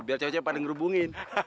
biar cewek cewek pada ngerubungin